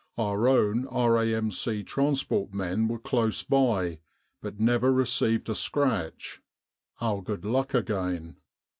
Our own R.A.M.C. trans port men were close by, but never received a scratch our good luck again."